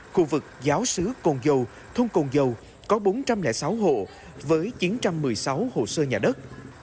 khu vực giáo sứ cồn dầu thôn cồn dầu có bốn trăm linh sáu hộ với chín trăm một mươi sáu hồ sơ nhà đất